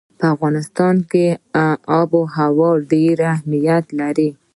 په افغانستان کې آب وهوا ډېر اهمیت لري.